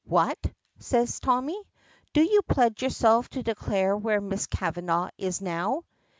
"What?" says Tommy. "Do you pledge yourself to declare where Miss Kavanagh is now?"